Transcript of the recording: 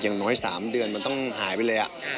อย่างน้อย๓เดือนมันต้องหายไปเลย